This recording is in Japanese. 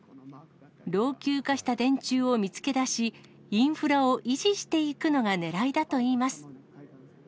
老朽化した電柱を見つけ出し、インフラを維持していくのがねらいだといいます。